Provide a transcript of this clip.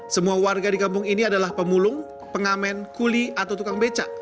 semua warga di kampung ini adalah pemulung pengamen kuli atau tukang becak